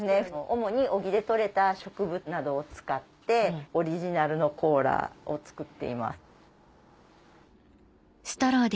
主に小木で採れた植物などを使ってオリジナルのコーラを作っています。